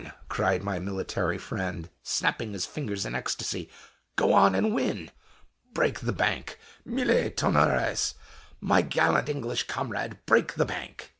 cried my military friend, snapping his fingers in ecstasy "Go on, and win! Break the bank Mille tonnerres! my gallant English comrade, break the bank!"